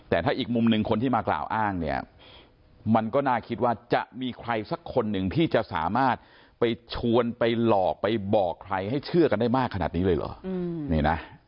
แต่ถ้าอีกมุมหนึ่งคนที่มากล่าวอ้างเนี่ยมันก็น่าคิดว่าจะมีใครสักคนหนึ่งที่จะสามารถไปชวนไปหลอกไปบอกใครให้เชื่อกันได้มากขนาดนี้เลยเหรอ